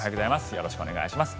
よろしくお願いします。